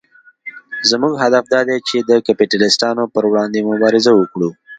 زموږ هدف دا دی چې د کپیټلېستانو پر وړاندې مبارزه وکړو.